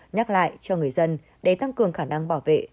nhắc lại cho người dân để tăng cường khả năng bảo vệ